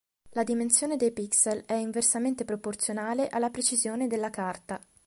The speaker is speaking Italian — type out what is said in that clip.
La dimensione dei pixel è inversamente proporzionale alla precisione della carta.